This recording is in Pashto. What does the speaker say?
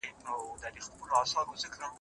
چي بل چاته څوک کوهی کیني ورلویږي